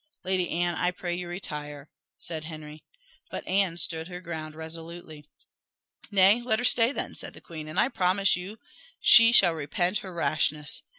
"Lady Anne, I pray you retire," said Henry. But Anne stood her ground resolutely. "Nay, let her stay, then," said the queen; "and I promise you she shall repent her rashness.